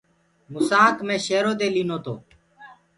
موسآڪ مي شيرو دي لينو تو۔